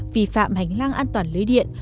vi phạm hành lang an toàn lưới điện